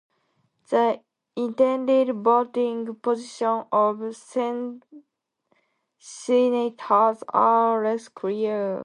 The intended voting positions of senators are less clear.